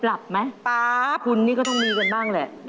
ปรับไหมคุณนี่ก็ต้องมีเงินบ้างแหละปรับ